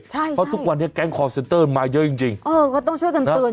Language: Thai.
ใช่ใช่เพราะทุกวันนี้แก๊งมาเยอะจริงจริงเออก็ต้องช่วยกันเตือน